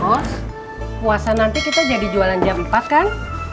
oh puasa nanti kita jadi jualan jam empat kan